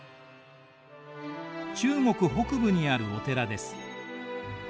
中国北部にあるお寺です。